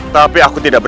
tapi aku tidak bisa